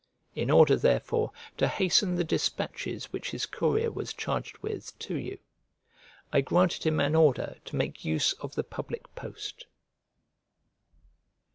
In order, therefore, to hasten the despatches which his courier was charged with to you, I granted him an order to make use of the public post.